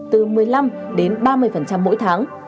từ một mươi năm đến ba mươi mỗi tháng